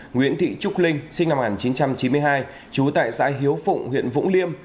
nguyễn thị trúc linh sinh năm một nghìn chín trăm chín mươi hai trú tại xã hiếu phụng huyện vũng liêm